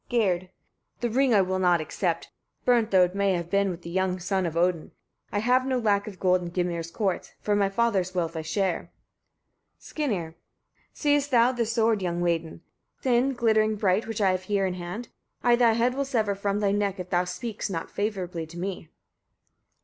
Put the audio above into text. Gerd. 22. The ring I will not accept, burnt though it may have been with the young son of Odin. I have no lack of gold in Gymir's courts; for my father's wealth I share. Skirnir. 23. Seest thou this sword, young maiden! thin, glittering bright, which I have here in hand? I thy head will sever from thy neck, if thou speakst not favourably to me.